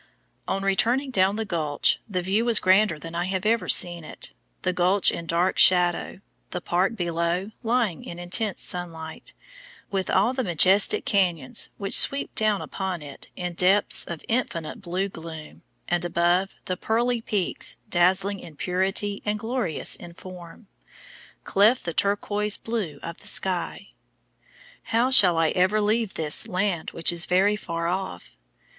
On returning down the gulch the view was grander than I have ever seen it, the gulch in dark shadow, the park below lying in intense sunlight, with all the majestic canyons which sweep down upon it in depths of infinite blue gloom, and above, the pearly peaks, dazzling in purity and glorious in form, cleft the turquoise blue of the sky. How shall I ever leave this "land which is very far off"?